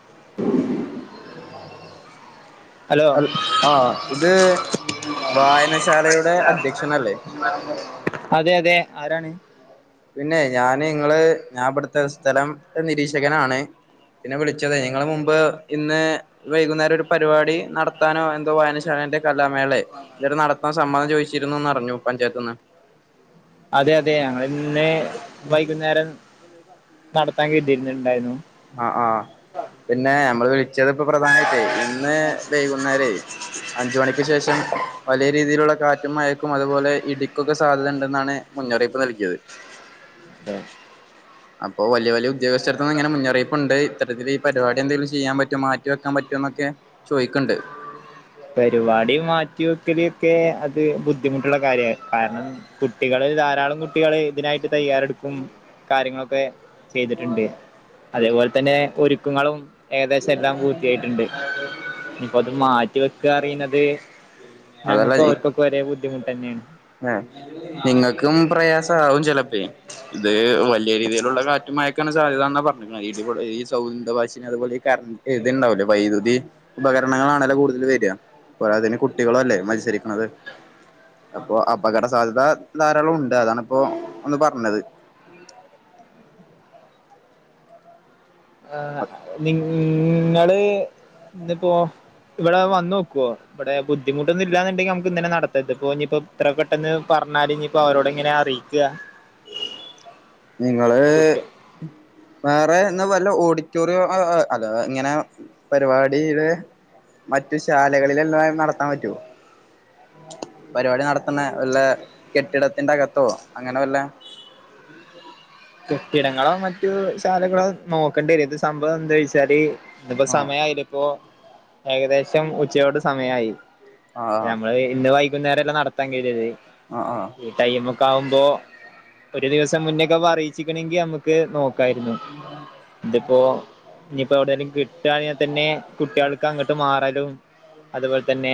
[inaudible] [inaudible] അൽ ആഹ് ഇത് വായനശാലയുടെ അധ്യക്ഷനല്ലേ അതെ അതെ ആരാണ് പിന്നെ ഞാന് ഇങ്ങള് ഞാവിടുത്തെ സ്ഥലം നിരീക്ഷകനാണ് പിന്നെ വിളിച്ചതെ നിങ്ങള് മുമ്പ് ഇന്ന് വൈകുന്നേരം ഒരു പരിപാടി നടത്താനോ എന്തോ വയനശാലേന്റെ കലാമേളെ ഇവര് നടത്താൻ സമ്മതം ചോദിച്ചിരുന്നുന്നറിഞ്ഞു പഞ്ചായത്ത്ന്ന് അതെ അതെ ഞങ്ങള്ന്ന് വൈകുന്നേരം നടത്താൻ കരുതിന്നുണ്ടായിരുന്നു ആഹ് ആഹ് പിന്നെ നമ്മള് വിളി ച്ചത്പ്പം പ്രധാനമായിട്ടേ ഇന്ന് വൈകുന്നേരെ അഞ്ച് മണി ക്ക് ശേഷം പലരീതിയില്ള്ള കാറ്റും മയക്കും അതുപോലെ ഇടിക്കുംക്കെ സാധ്യത ഉണ്ടെന്നാണ് മുന്നറിയിപ്പ് നൽകിയത് ദോ അപ്പോ വല്യ വല്യ ഉദ്യോഗസ്ഥർത്ത്ന്നങ്ങനെ മുന്ന റിയിപ്പുണ്ട് ഇത്തരത്തില് ഈ പരിപാടി എന്തേലും ചെയ്യാൻ പറ്റോ മാറ്റി വെക്കാൻ പറ്റോ ന്നൊക്കെ ചോയ്ക്ക്ണ്ട് പരിപാടി മാറ്റി വെക്കല്ക്കെ അത് ബുദ്ധിമുട്ടുള്ള കാര്യണ്‌ കാരണം കുട്ടികള് ധാരാളം കുട്ടികള് ഇതിനായിട്ട് തയ്യാറെടുക്കും കാര്യങ്ങളൊക്കെ ചെയ്ത്ട്ട്ണ്ട് അതേപോലെ തന്നെ ഒരുക്കങ്ങളും ഏകദേശം എല്ലാം പൂർത്തിയായിട്ട്ണ്ട് ഇനിപ്പോ അത് മാ തൊക്കെ അറിയുന്നത് ഞങ്ങക്കോർക്കൊക്കെ ഒരേ ബുദ്ധിമുട്ടെന്നേണ് നിങ്ങൾക്കും പ്രയാസാവും ചെലപ്പേ ഇതേ വല്യ രീതിയിലുള്ള കാറ്റുംമയക്കാണ് സാധ്യതന്നാ പറഞ്ഞിക്ക്ണ് ഈ ഇടിം കൊള്ളി ഈ സൗന്തഭാഷിണി അതുപോലെ കരൺ എയ്ത്ണ്ടാവല്ലേ വൈദ്യുതി ഉപകരണങ്ങളാണല്ലോ കൂടുതൽ വര്യ പോരാത്തേന് കുട്ടികളല്ലേ മത്സരിക്കണത് അപ്പൊ അപകട സാധ്യത ധാരാളം ഉണ്ട് അതാണിപ്പോ വന്ന് പറഞ്ഞത് ആ നിങ്ങള് ഇന്ന്പ്പോ ഇവിടെ വന്ന് നോക്ക്വൊ ഇവിടെ ബുദ്ധിമുട്ടൊന്നുംല്ലാന്നുണ്ടെങ്കി നമുക്ക് ഇന്നന്നെ നടത്താ ഇതിപ്പോ ഇത്ര പെട്ടെന്ന് പറഞ്ഞാല് ഇനിപ്പോ അവരോടെങ്ങനാ അറിയ്ക്കാ [inaudible] നിങ്ങള് വേറെ എന്നാ വല്ലൊ ഓഡിറ്റോറിയോ അഹ് അഹ് അല്ല ഇങ്ങനെ പരിപാടിടെ മറ്റു ശാലകളിലല്ലാതെ നടത്താൻ പറ്റുവോ പരിപാടി നടത്തണ വല്ല കെട്ടിടത്തിന്റെ അകത്തോ അങ്ങനെ വല്ല കെട്ടിടങ്ങളോ മറ്റു ശാലകളോ നോക്കേണ്ടി വരും ഇത് സംഭവം എന്താ വെച്ചാല് ഇന്നിപ്പൊ ആഹ് സമയായില്ലേ ഇപ്പോ ഏകദേശം ഉച്ചയോട് സമയമായി ആഹ് ഞമ്മള് ഇന്ന് വൈകുന്നേരം അല്ലെ നടത്താൻ കേറിയത് ആഹ് ആഹ് ഈ ടൈമക്കെ ആകുമ്പോ ഒരു ദിവസം മുന്നക്കെപ്പം അറിയിച്ചക്കണ്ങ്കി നമുക്ക് ക് നോക്കായിരുന്നു ഇതിപ്പോ ഇനിയിപ്പോ എവിടേലും കിട്ട്വാണെ തന്നെ കുട്ടികൾക്ക് അങ്ങട്ട് മാറലും അതുപോലെ തന്നെ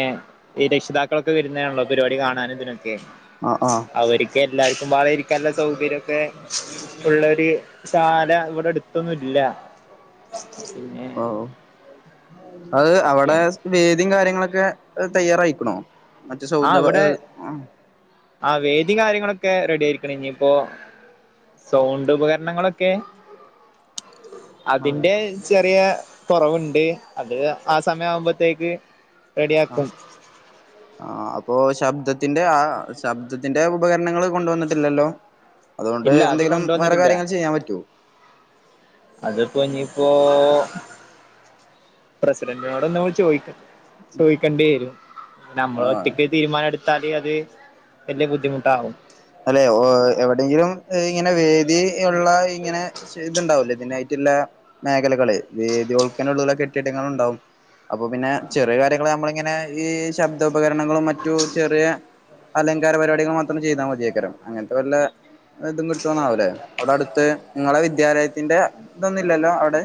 ഈ രക്ഷിതാക്കളൊക്കെ വരുന്നെയാണല്ലോ പരിപാടി കാണാന് ഇതിനൊക്കെ ആഹ് ആഹ് അവര്ക്ക് എല്ലാർക്കുംമ്പാടെ ഇരിക്കാനുള്ള സൗകര്യക്കെ ഉള്ളൊര് ശാല ഇവിടെ അടുത്തൊന്നുംല്ല പിന്നെ ഓഹ് അത് ഓക്കെ അവിടെ വേദിയും കാര്യങ്ങളൊക്കെ തയ്യാറായിക്ക്ണോ മറ്റ് [unintelligible] ആഹ് വേദിം കാര്യങ്ങളൊക്കെ റെഡി ആയിരിക്ക് ണ് ഇനിയിപ്പോ? സൗണ്ട് ഉപകരണങ്ങളൊക്കെ ആഹ് അതിന്റെ ചെറിയ കുറവുണ്ട് അത് ആ സമയാവുമ്പത്തേക്ക് ആഹ് റെഡിയാക്കും. [inaudible] ആഹ് അപ്പൊ ശബ്ദത്തിന്റെ ആ ശബ്ദത്തിന്റെ ഉപകരണങ്ങൾ കൊണ്ടുവന്നിട്ടില്ലല്ലോ? അതുകൊണ്ട് ഇല്ല അത് എന്തെലും വേറെ കാര്യങ്ങൾ കൊണ്ടുവന്നിട്ടില്ല ചെയ്യാൻ പറ്റോ? അതിപ്പോ ഇനിപ്പോ പ്രസിഡന്റിനോടൊന്ന് ചോദിക്കാട്ട് ചോയിക്കേണ്ടി വരും നമ്മള് ആഹ് ഒറ്റക്ക്. തീരുമാനം എടുത്താല് അത് വലിയ ബുദ്ധിമുട്ടാവും. അല്ലെ എവിടെയെങ്കിലും ഇങ്ങനെ വേദി ഉള്ള ഇങ്ങനെ ഇതുണ്ടാവലേ ഇതിനായിട്ടുള്ള മേഖലകളെ വേദിയോൾക്കാനുള്ളൂള കെട്ടിടങ്ങൾ ഉണ്ടാവും. അപ്പൊ പിന്നെ ചെറിയ കാര്യങ്ങൾ നമ്മളിങ്ങനെ ഈ ശബ്ദോപകരണങ്ങളും മറ്റു ചെറിയ അലങ്കാര പരിപാടികൾ മാത്രം ചെയ്താൽ മതിയ രം അങ്ങനത്തെ വല്ല ഇതും കിട്ടുന്നവൂലെ അവിടെ അടുത്ത് നിങ്ങളെ വിദ്യാലയത്തിന്റെ ഇതൊന്നുമില്ലല്ലോ അവിടെ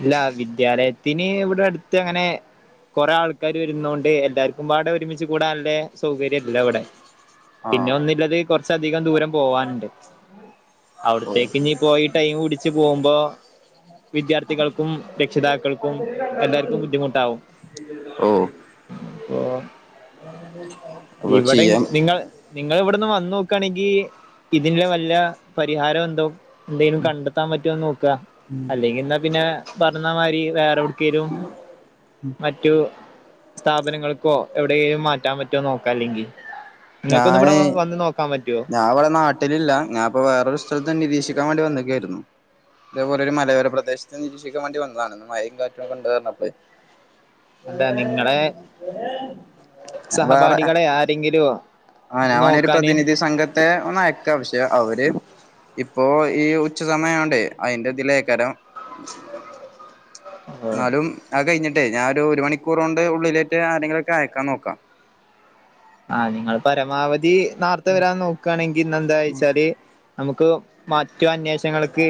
ഇല്ല വിദ്യാലയത്തിന് ഇവിടെ അടുത്ത് അങ്ങനെ കൊറേ ആൾക്കാര് വരുന്നൊണ്ട് എല്ലാർക്കും പാടെ ഒരുമിച്ച് കൂടാനില്ലേ സൗകര്യംല്ല ഇവിടെ പിന്നെ ആഹ് ഒന്നില്ലത് കൊറച്ച് അധികം ദൂരം പോവാനുണ്ട്. ഓ അവിടത്തേക്ക് ഇനി പോയി ടൈം പിടിച്ച് പോകുമ്പോ വിദ്യാർ ഥികൾക്കും രക്ഷിതാക്കൾക്കും എല്ലാർക്കും ബുദ്ധിമുട്ടാവും. അപ്പൊ ഉ ഇവിടെ നിങ്ങൾ നിങ്ങൾ ഇവിടോന്ന് വന്ന് നോക്കയാണെങ്കിൽ ഇതിന് വല്ല പരിഹാരം എന്തോ ന്തെലും കണ്ടെത്താൻ പറ്റുമോന്ന് നോക്കുക അല്ലെങ്കിൽ എന്നാ പിന്നെ പറഞ്ഞാ മാതിരി. വേറെവിടെക്കേലും മറ്റു സ്ഥാപനങ്ങൾക്കോ എവിടെലും മാറ്റാൻ പറ്റോ നോക്കാ അല്ലെങ്കിൽ നിങ്ങൾക്കൊന്ന് ഇവിടെ വന്ന് നോക്കാൻ പറ്റുവോ അവിടെ നാ ട്ടിലില്ല ഞാനിപ്പോ വേറൊരു സ്ഥലത്ത് നിരീക്ഷിക്കാൻ വേണ്ടി വന്നിക്കായിരുന്നു ഇതേപോലെ ഒരു മലയോര പ്രദേശ ത്ത് നിരീക്ഷിക്കൻ വേണ്ടി വന്നതാണ് ഇന്ന് മഴയും കാറ്റുമൊക്കെ ഉണ്ട് പറഞ്ഞപ്പോളെ അല്ല നിങ്ങളെ വേറെ സഹപാഠികളെ ആരെങ്കിലോ ആഹ് ഞാൻ വേണേ ഒരു പ്രധിനിധി സംഘത്തെ ഒന്ന് അയക്ക പക്ഷെ അവര് ഇപ്പൊ ഈ ഉച്ച സമയം ആയോണ്ടേ അതിന്റെ ഇതിലേക്കരം ആ എന്നാലും അത് കഴിഞ്ഞിട്ടേ ഞാൻ ഒരു മണിക്കൂറൊണ്ട് ഉള്ളിലേറ്റ് ആരെങ്കിലൊക്കെ അയക്കാൻ നോക്കാം ആഹ് നിങ്ങൾ പരമാവധി നാർത്തെ വരാൻ നോക്കുകയാണെങ്കിൽ ഇന്ന് ന്താ വെച്ചാല് നമുക്ക് മറ്റു അന്വേഷങ്ങൾക്ക്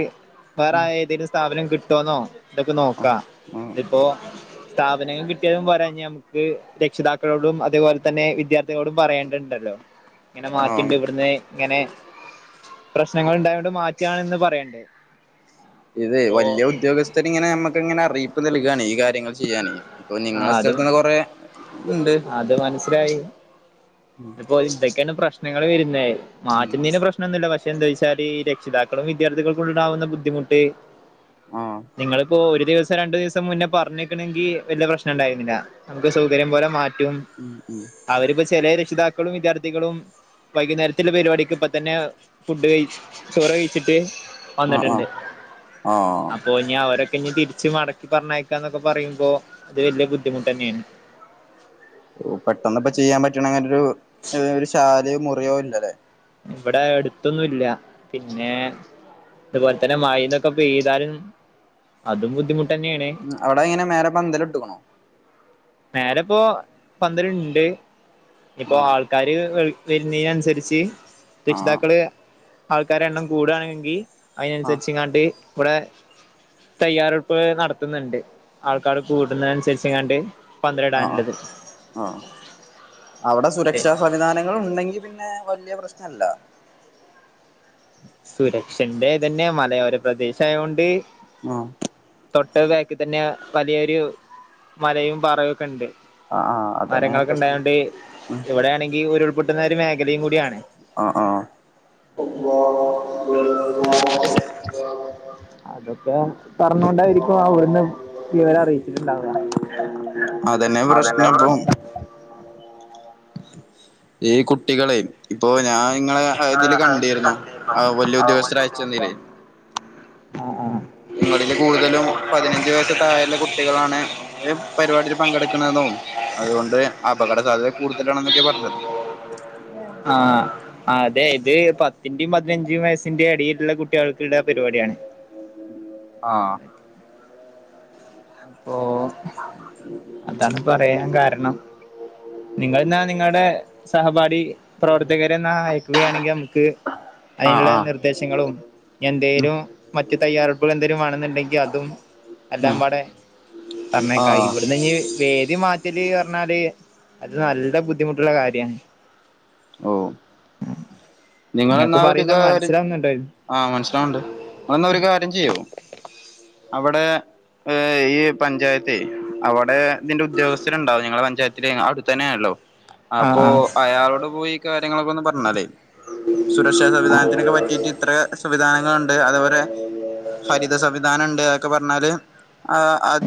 വേറെ ഏതേലും സ്ഥാപനം കിട്ടോന്നോ ഇതൊക്കെ ആഹ് നോക്കാം ആഹ് ഇതിപ്പോ സ്ഥാപനം കിട്ടിയതും പോരാ ഞമുക്ക് രക്ഷിതാക്കളോടും അതേപോലെ തന്നെ വിദ്യാർ ത്ഥികളോടും പറയണ്ടിണ്ടല്ലോ ഇങ്ങനെ മാറ്റിണ്ട് ആഹ് ഇവിടുന്ന് ഇങ്ങനെ പ്രശ്നങ്ങൾ ഉണ്ടായൊണ്ട് മാറ്റണന്ന് പറയണ്ടേ ഇത് വലിയ ഉദ്യോഗസ്ഥരിങ്ങനെ നമ്മുക്ക് ഇങ്ങനെ അറിയിപ്പ് നൽകയാണ് ഈ കാര്യങ്ങൾ ചെയ്യാന് ഇപ്പൊ നിങ്ങള ആഹ് അത് സ്ഥലത്ത്ന്ന് കൊറേ ഉണ്ട് അത് ആഹ് അപ്പോ ഇതോക്കെയാണ് പ്രശ്നങ്ങൾ വരുന്നെ ഉം മാറ്റുന്നേന് പ്രശ്ന നൊന്നുല്ല പക്ഷെ എന്താ വെച്ചാല് രക്ഷിതാക്കളും വിദ്യാർത്ഥികൾക്കും ഉണ്ടാവുന്ന ബുദ്ധിമുട്ട് ആഹ് നിങ്ങളിപ്പോ ഒരു ദിവസം രണ്ടു ദിവസം മുന്നേ പറഞ്ഞ് ട്ടണെങ്കി വല്ല്യ പ്രശ്നണ്ടായിരുന്നില്ല നമുക്ക് സൗകര്യം പോലെ മാറ്റും ഉ ഉം അവരിപ്പൊ ചെലെ രക്ഷിതാക്കളും വിദ്യാർത്ഥികളും വൈകുന്നേരത്തില്ല പരിപാടിക്ക് ഇപ്പത്തന്നെ ഫുഡ് കയ്ച് ചോറ് കയ്ച്ചിട്ട് ആഹ് വന്നിട്ടുണ്ട് ആഹ് ആഹ് അപ്പൊ ഇഞ് അവരൊക്കെഞ്ഞ് തിരി ച്ച് മടക്കി പറഞ്ഞയക്കാന്നൊക്കെ പറയുമ്പൊ ത് വല്ല്യ ബുദ്ധിമുട്ടന്നേണ് ഓ പെട്ടെന്ന്പ്പൊ ചെയ്യാൻ പറ്റണങ്ങനൊരു ഇതിനൊരു ശാലോ മുറിയോ ഇല്ലലേ ഇവിടെ അടുത്തൊന്നുംല്ല പിന്നെ ഇതുപോലെ തന്നെ മഴെ തൊക്കെ പെയ്താലും അതും ബുദ്ധിമുട്ടന്നേണ് അവടങ്ങെ നെ മേലെ പന്തല്ട്ട്ക്ക്‌ണോ മേലെപ്പൊ പന്തല്ണ്ട് ഇപ്പൊ ആഹ് ആൾ ക്കാര് വരുന്നിനനു സരിച്ച് ആഹ് രക്ഷിതാക്കള് ആൾക്കാരെ എണ്ണം കൂടുആണെങ്കി ആഹ് അയിനനുസരിച്ച്ങ്ങാണ്ട് ഇവിടെ തയ്യാറെടുപ്പ് നടത്തുന്നുണ്ട് ആൾക്കാട് കൂടുന്നനുസരിച്ച് ങ്ങാണ്ട് അ ആ ആ അവിടെ പക്ഷെ സുരക്ഷാ സംവിധാനങ്ങളുണ്ടെങ്കി പിന്നെ വല്ല്യ പ്രശ്നല്ല സുരക്ഷന്റെ തന്നെ മലയോര പ്രദേശ ആയോണ്ട് ആ തൊട്ടത് ബാക്കി തന്നെ വലിയൊരു മലയും പാറയും ഒക്കെ ഉണ്ട് ആഹ് ആഹ് അതന്നെ പ്രശ്നം മരങ്ങളൊക്കെണ്ടായോണ്ട് ഇവിടെയാണെങ്കി ഉരുൾപൊട്ടുന്ന ഒരു മേഖലയും കൂടിയാണ് അ ആ അതൊക്കെ പറഞ്ഞോണ്ടായിരിക്കും അവിടുന്ന് വിവരം അറിയിച്ചിട്ടുണ്ടാവ അതന്നെ പ്രശ്നപ്പൊ ഈ കുട്ടികളെ ഇപ്പൊ ഞായിങ്ങളെ നിങ്ങള് അഹ്തില് അതില് കണ്ടിരുന്നു കണ്ടിരുന്നോ അഹ് വല്ല്യ ഉദ്യോഗസ്ഥര് വലിയ അയച്ചന്നീല് ഉദ്യോഗസ്ഥൻ അ ആ ഇങ്ങളില് കൂടുതലും പതിനഞ്ച് വയസ്സ് തായുള്ള കുട്ടികളാണ് പരിപാടീല് പങ്കെടുക്കണ്ന്നും അതുകൊണ്ട് അപകട സാധ്യത കൂടുതലാണെന്നൊക്കെ പറഞ്ഞത് ആ ആ അതെ ഇത് പത്തിന്റീം പതിനഞ്ച് വയസ്സിന്റെ എടീലുള്ള കുട്ടികൾക്ക്ള്ള പരിപാടിയാണ് ആ പ്പൊ അതാണ് പറയാനും കാരണം നിങ്ങൾെന്നാ നിങ്ങളുടെ സഹപാഠി പ്രവർത്തകരെ ന്നാ അയക്കുകയാണെങ്കി നമുക്ക് ആഹ് അയിനുള്ള ആഹ് നിർദ്ദേശങ്ങളും ഉം എന്തേലും മറ്റു തയ്യാറെടുപ്പുകൾ എന്തെങ്കിലും വേണെന്നുണ്ടെ ങ്കി അതും എല്ലാം ഉം പാടെ പറഞ്ഞയക്ക ആഹ് ഇവിടുന്ന് ഞ്ഞി വേദി മാ റ്റല് പറഞ്ഞാല് അത് നല്ല ബുദ്ധിമുട്ടുള്ള കാര്യാ ഓ നിങ്ങക്ക് നിങ്ങളെന്നാ ഒരു പറയുന്ന കാര്യ മനസ്സിലാവുന്നുണ്ടോ ആ മനസ്സിലാവണ്ട് അഹ് ന്നാ ഒരു കാര്യം ചിയ്യോ അവടെ ഏ ഈ പഞ്ചായത്തേ അവടെ ഇതിന്റെ ഉദ്യോഗസ്ഥനുണ്ടാവും ഞങ്ങളെ പഞ്ചായത്തില് അവുട്ത്തന്നെ ആണല്ലോ അപ്പൊ ആഹ് അയാളോട് പോയി ഈ കാര്യങ്ങളൊക്കെ ഒന്ന് പറഞ്ഞാലെ സുരക്ഷാ സംവിധാനത്തിനൊക്കെ പറ്റിയിട്ട് ഇത്രേ സംവിധാനങ്ങളുണ്ട് അതേപോലെ ഹരിത സംവിധാനണ്ട് അതൊക്കെ പറഞ്ഞാല് ആ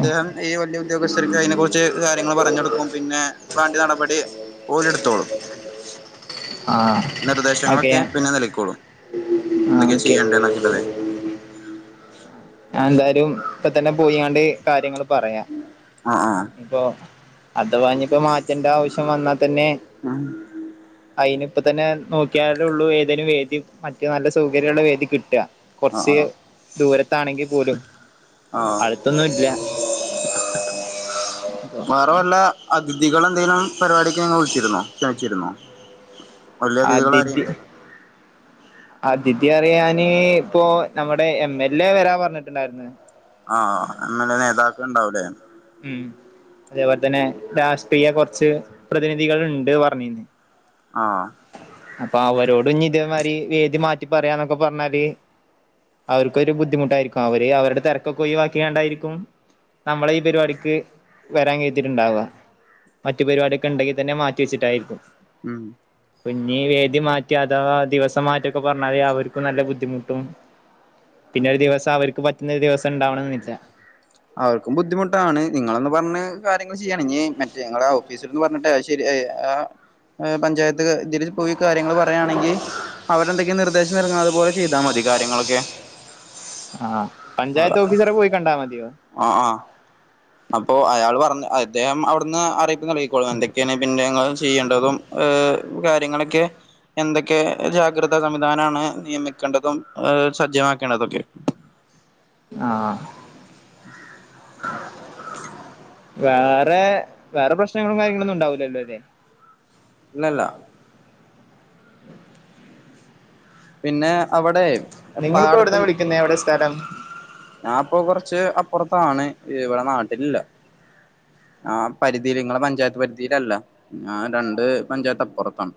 ആഹ് ഈ വല്ല്യ ഉദ്യോഗസ്ഥർക്ക് അതിനെ കുറിച്ച് കാര്യങ്ങള് പറഞ്ഞൊടുക്കും പിന്നെ വേണ്ട നടപടി ഓല്ട്ത്തോളും [inaudible] ആഹ് ഓക്കെ നിർദേശങ്ങളൊക്കെ പിന്നെ നൽകിക്കോളും ആഹ് എന്തൊക്കെ ഓക്കെ ചെയ്യേണ്ടെന്നൊക്കെള്ളത് ഞാനെന്തായാലും ഇപ്പൊ തന്നെ പോയിങ്ങാണ്ട് കാര്യങ്ങള് പറയാം ആ ആ ഇപ്പൊ അഥവാ ഇനിപ്പോ മാറ്റണ്ട ആവശ്യം വന്നാ തന്നെ അയിനിപ്പൊ തന്നെ നോക്കിയാലൊള്ളൂ ഏതേലും വേദി മറ്റു നല്ല സൗകര്യമുള്ള വേദി കിട്ട ആ കുറച്ച് ആ ദൂരത്താണെങ്കിൽ പോലും അടുത്തൊന്നും ഇല്ല മാറൊല്ല അതിഥികൾ എന്തങ്കലും പരിപാടിക്ക് ഞൾ വിളിച്ചിരോ ക്ഷണിച്ചിരുന്നോ വലിയ അതിഥികൾ ആരെയും അതിഥി ഉണ്ടല്ലോ അതിഥി അറിയാന് ഇപ്പൊ നമ്മുടെ എം എൽ എ വരാ പറഞ്ഞിട്ടുണ്ടായിരുന്ന് ആഹ് എം എൽ എ നേതാക്കൾ ഉണ്ടാവുലേ ഉം അതേപോലെ തന്നെ രാഷ്ട്രീയ കുറച്ച് പ്രതിനിധികൾ ഇണ്ട് പറഞ്ഞിന്ന് ആഹ് അപ്പൊ അവരോടും ഇതേമാതിരി വേദി മാറ്റി പറയാന്നൊക്കെ പറഞ്ഞാല് അവർക്കൊരു ബുദ്ധിമുട്ടായിരിക്കും അവര് അവരുടെ തിരക്കൊക്കെ ഒയിവാക്കിയാണ്ടായിരിക്കും നമ്മളെ ഈ പരിപാടിക്ക് വരാൻ ഏറ്റിട്ട്ണ്ടാവ മറ്റ പരിപാടിയൊക്കെ ഇണ്ടെിൽ തന്നെ മാറ്റിവെച്ചിട്ടായിരിക്കും ഉം പ്പൊഞ്ഞി വേദി മാറ്റി അഥവാ ദിവസം മാറ്റിയൊക്കെ പറഞ്ഞാല് അവർക്കും നല്ല ബുദ്ധിമുട്ടും പിന്നെ ഒരു ദിവസം അവർക്ക് പറ്റുന്ന ഒരു ദിവസം ഉണ്ടാവണന്നില്ല അവർക്കും ബുദ്ധിമുട്ടാണ് നിങ്ങളൊന്ന് പറഞ്ഞ് കാര്യങ്ങൾ ചെയ്യണെങ്ങി മറ്റേ ഞങ്ങളുടെ ഓഫീസി ഒന്ന് പറഞ്ഞിട്ടെ ശരി ആ പഞ്ചായത്ത് ഇതിൽ പോയി കാര്യങ്ങൾ പറയയാണെങ്കിൽ അവരെ എന്തൊങ്കിലും നിർദ്ദേശം നൽങ്ങുന്നത് അതുപോലെ ചെയ്താ മതി കാര്യങ്ങളൊക്കെ ആഹ് പഞ്ചായത്ത് ഓഫീസറെ പോയി കണ്ടാൽ മതിയോ ആഹ്‌ ആഹ്‌. അപ്പോ അയാൾ പറഞ്ഞ അദ്ദേഹം അവിടുന്ന് അറിയിപ്പ് നൽകിക്കോളും എന്തൊക്കെയാണ് പിന്നെങ്ങൾ ചെയ്യേണ്ടതും ഏഹ് കാര്യങ്ങളൊക്കെ എന്തൊക്കെ ജാഗ്രതാ സംവിധാനമാണ് നിയമിക്കേണ്ടതും സജ്ജമാക്കേണ്ടതൊക്കെ ആഹ് [inaudible] വേറെ വേറെ പ്രശ്നങ്ങളും കാര്യങ്ങളൊന്നും ഉണ്ടാവൂല്ലല്ലോ ല്ലേ ല്ലല്ല പിന്നേ അവ്ടേ നിങ്ങളിപ്പോ എവിടുന്നാ വിളിക്കുന്നേ എവിടെയാ സ്ഥലം ഞാൻ ഇപ്പൊ കൊറച്ച് അപ്പുറത്താണ് ഇവിടെ നാട്ടിലില്ല ആ പരിധിയിൽ നിങ്ങളെ പഞ്ചായത്ത് പരിധിയിലല്ല ഞാൻ രണ്ട് പഞ്ചായത്ത് അപ്പുറത്താണ്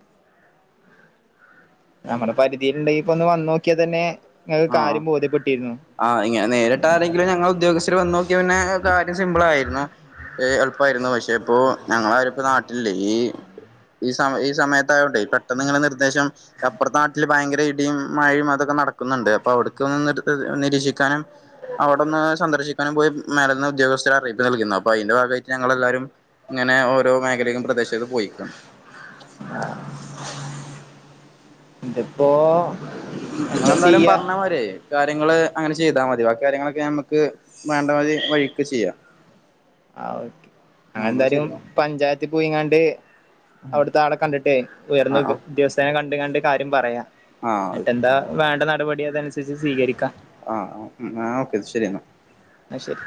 നമ്മുടെ പരിധിയിൽ ഉണ്ടെങ്കി ഇപ്പൊ ഒന്ന് വന്നു നോക്കിയാ തന്നെ നിങ്ങക്ക് ആഹ് കാര്യം ബോധ്യപ്പെട്ടിരുന്നു ആഹ് ഇങ്ങനെ നേരിട്ട് ആരെങ്കിലും ഞങ്ങള് ഉദ്യോഗസ്ഥർ വന്ന് നോക്കിയാ പിന്നെ കാര്യം സിംമ്പിൾ ആയിരുന്നു ഏഹ് എളുപ്പായിരുന്നു പക്ഷെ ഇപ്പോ ഞങ്ങളാരുപ്പോ നാട്ടിലില്ലേ ഈ ഈ സമ ഈ സമയത്തായോണ്ടെ പെട്ടെന്ന് ഇങ്ങനെ നിർദ്ദേശം അപ്പുറത്തെ നാട്ടില് ഭയങ്കര ഇടിയും മഴയും അതൊക്കെ നട ക്കുന്നുണ്ട് അപ്പ അവിടക്കും ഒന്നെടുത്ത് നിരീക്ഷിക്കാനും അവിടൊന്ന് സന്ദർശിക്കാനും പോയി മേലന്ന് ഉദ്യോഗസ്ഥര് അറിയിപ്പ് നൽകിന്നു അപ്പ അതിന്റെ ഭാഗായിട്ട് ഞങ്ങളെല്ലാരും ഇങ്ങനെ ഓരോ മേഖലയിലും പ്രദേശൊക്കെ പോയിക്കണ് ആഹ് തിപ്പോ നിങ്ങളെന്തായാലും പറഞ്ഞാ വരേ കാര്യങ്ങള് അങ്ങനെ ചെയ്താ മതി ബാക്കി കാര്യങ്ങളൊക്കെ നമുക്ക് വേണ്ടമാതി വഴിക്ക് ചെയ്യാം ആ ഓക്കെ ആഹ് എന്നാ ഞങ്ങളെന്താലും ശരി എന്നാ പഞ്ചായത്തി പോയിങ്ങാണ്ട് അവിടുത്തെ ആളെ കണ്ടിട്ടേ ഉയർന്ന ആഹ് ആഹ് ഉദ്യോ ഉദ്യോഗസ് നെ കണ്ട് കണ്ട് കാര്യം പറയാ ആഹ് എന്നിട്ടെന്താ വേണ്ട നടപടി അതനുസരിച്ച് സ്വീകരിക്കാ ആഹ് -ആഹ് ഉം ഓക്കെ ശരി അന്നാ അഹ് ശരി